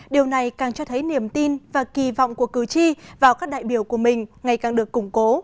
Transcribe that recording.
điều này càng cho thấy niềm tin và kỳ vọng của cử tri vào các đại biểu của mình ngày càng được củng cố